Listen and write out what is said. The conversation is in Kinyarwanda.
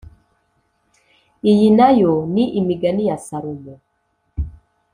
Iyi na yo ni imigani ya salomo